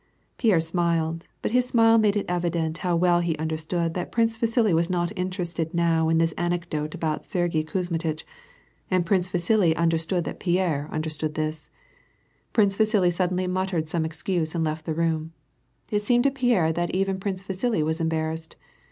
Pierre smiled, but his smile made it evident how well he understood that Prince Vasili was not interested now in this anecdote about Sergyei Kuzmitch, . and Prince Vasili under 256 l^AR AXD PEACE. stood that Pierre understood this. Prince Vasili suddenly muttered some excuse and left the room. It seemed to Pierre that even Prince Vasili was embarrassed.